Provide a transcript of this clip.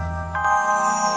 jangan terv weddings dimaja benerin